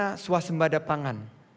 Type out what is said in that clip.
bagaimana suasembada pangan